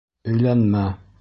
Өйләнмә!